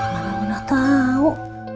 mana mau nak tahu